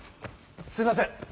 すいません！